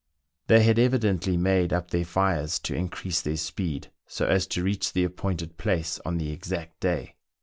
They had evidently made up their fires to increase their speed, so as to reach the appointed place on the exact day.